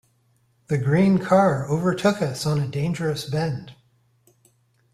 The green car overtook us on a dangerous bend.